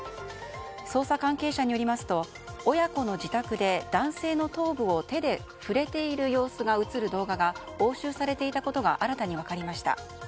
捜査関係者によりますと親子の自宅で男性の頭部を手で触れている様子が映る動画が押収されていたことが新たに分かりました。